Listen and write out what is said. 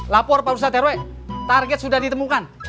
lapor pak ustadz herwe target sudah ditemukan